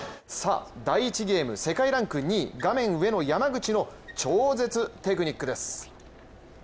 第１ゲーム、世界ランク２位画面上の山口の超絶テクニックです。